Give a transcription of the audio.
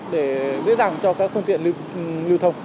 để dễ dàng cho các phương tiện lưu thông